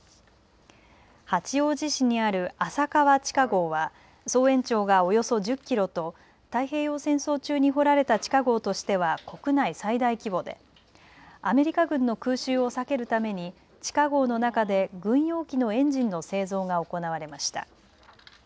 八王子市にある浅川地下壕は総延長がおよそ１０キロと太平洋戦争中に掘られた地下ごうとしては国内最大規模でアメリカ軍の空襲を避けるために地下ごうの中で軍用機のエンジンの製造が行われました。